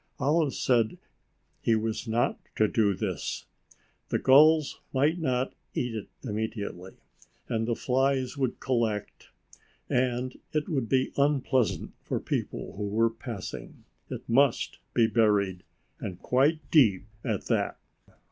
Olive said he was not to do this. The gulls might not eat it immediately and the flies would collect and it would be unpleasant for people who were passing. It must be buried, and quite deep at that.